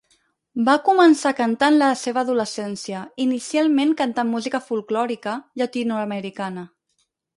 Va començar a cantar en la seva adolescència, inicialment cantant música folklòrica Llatinoamericana.